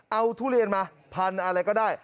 เอาทุเรียนมาพันอะไรก็ได้